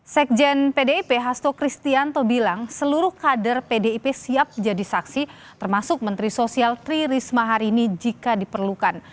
sekjen pdip hasto kristianto bilang seluruh kader pdip siap jadi saksi termasuk menteri sosial tri risma hari ini jika diperlukan